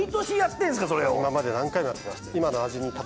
今まで何回もやってまして。